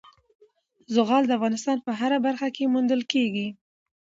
زغال د افغانستان په هره برخه کې موندل کېږي.